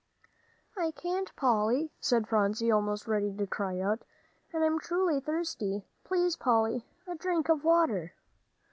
"I can't, Polly," said Phronsie, almost ready to cry out, "and I am truly thirsty. Please, Polly, a drink of water."